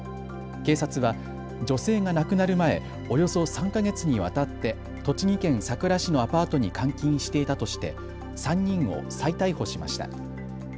警察は女性が亡くなる前、およそ３か月にわたって栃木県さくら市のアパートに監禁していたとして３人を再逮捕しました。